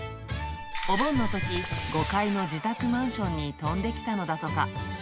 お盆のとき、５階の自宅マンションに飛んできたのだとか。